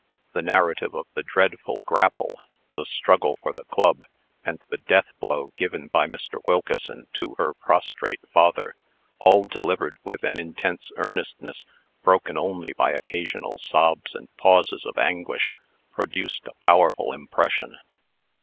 The narrative of the dreadful grapple, the struggle for the club, and the death blow given by Mr. Wilkeson to her prostrate father all delivered with an intense earnestness, broken only by occasional sobs and pauses of anguish produced a powerful impression.